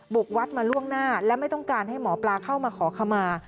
กวัดมาล่วงหน้าและไม่ต้องการให้หมอปลาเข้ามาขอขมา